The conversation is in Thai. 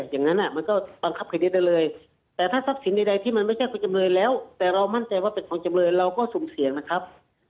อย่างนั้นมันก็บังคับคดีได้เลยแต่ถ้าทรัพย์สินใดที่มันไม่ใช่คุณจำเลยแล้วแต่เรามั่นใจว่าเป็นของจำเลยเราก็สุ่มเสี่ยงนะครับ